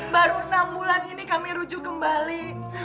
baru enam bulan ini kami rujuk kembali